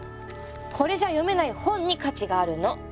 これじゃ読めない本に価値があるの！